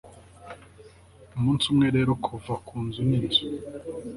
Umunsi umwe rero kuva ku nzu ninzu